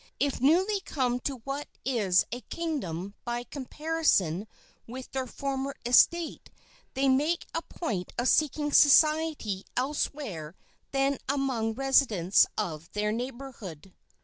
If newly come to what is a kingdom by comparison with their former estate, they make a point of seeking society elsewhere than among residents of their neighborhood.